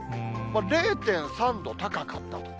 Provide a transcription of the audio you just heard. ０．３度高かったと。